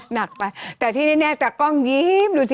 หนักไปแต่ที่แน่ตากล้องยิ้มดูสิ